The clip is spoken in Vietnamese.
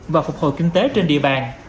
và phục hồi kinh tế trên địa bàn